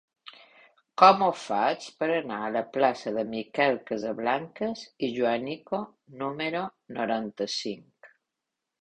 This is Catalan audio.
Com ho faig per anar a la plaça de Miquel Casablancas i Joanico número noranta-cinc?